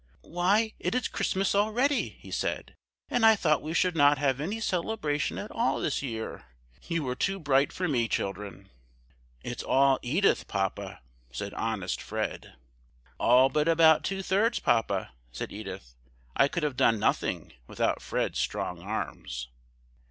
"Why, it is Christmas already!" he said. "And I thought we should not have any celebration at all this year. You were too bright for me, children." "It's all Edith, Papa!" said honest Fred. "All but about two thirds, Papa!" said Edith. "I could have done nothing without Fred's strong arms."